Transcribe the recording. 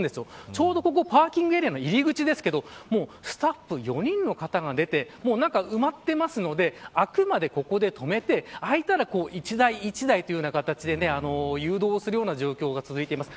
ちょうどパーキングエリアの入り口ですがスタッフ４人の方が埋まってますのであくまでここで止めて空いたら一台一台という形で誘導するような状況が続いています。